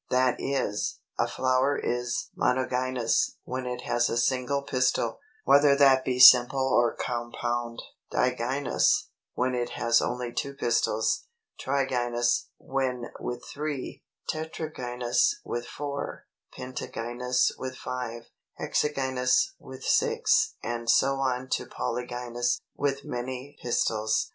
That is, a flower is Monogynous, when it has a single pistil, whether that be simple or compound; Digynous, when it has only two pistils; Trigynous, when with three; Tetragynous, with four; Pentagynous, with five; Hexagynous, with six; and so on to Polygynous, with many pistils.